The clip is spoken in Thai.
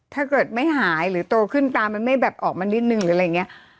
ถ้าเกิดไม่หายหรือโตขึ้นตามันไม่แบบออกมานิดนึงหรืออะไรอย่างนี้